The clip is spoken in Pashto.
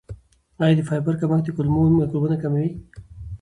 آیا د فایبر کمښت د کولمو میکروبونه کموي؟